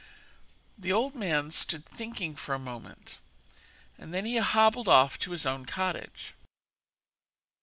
The old man stood thinking for a moment, and then he hobbled off to his own cottage.